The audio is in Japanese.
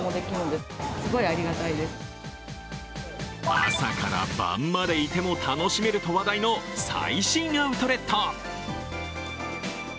朝から晩までいても楽しめると話題の最新アウトレット。